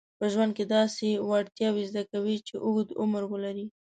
په ژوند کې داسې وړتیاوې زده کوي چې اوږد عمر ولري.